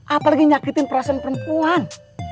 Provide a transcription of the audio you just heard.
apalagi nyakitin perasaan perempuan